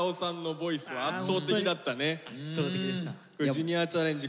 「ジュニアチャレンジ」